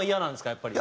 やっぱり。